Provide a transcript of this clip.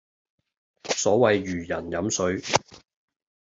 所謂如人飲水